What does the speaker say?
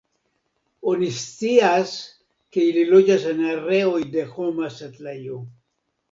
Oni scias, ke ili loĝas en areoj de homa setlejo.